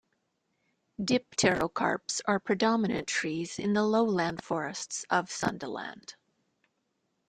Dipterocarps are predominant trees in the lowland forests of Sundaland.